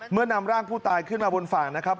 นำร่างผู้ตายขึ้นมาบนฝั่งนะครับ